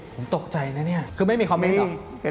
ผมตกใจนะนี่คือไม่มีคอมเม้นเหรอ